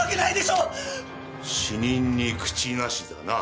死人に口なしだな。